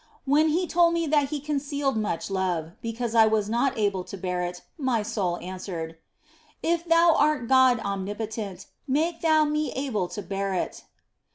When He told me that He concealed much love, because I was not able to bear it, my soul answered :" If Thou art God omnipotent, make Thou me able to bear it."